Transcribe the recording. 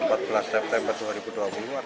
september dua ribu dua puluh artinya teguran